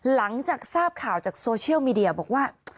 หลังจากทราบข่าวจากโซเชียลมีเดียบอกว่า